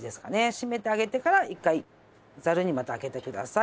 締めてあげてから一回ざるにまた上げてください。